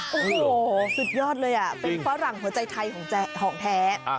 โอ้โหสุดยอดเลยเป็นฝรั่งหัวใจไทยของแท้